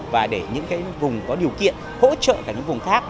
và để những vùng có điều kiện hỗ trợ cả những vùng khác